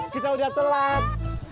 kita udah telat